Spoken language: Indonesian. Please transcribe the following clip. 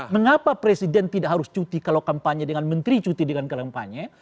mengapa presiden tidak harus cuti kalau kampanye dengan menteri cuti dengan kampanye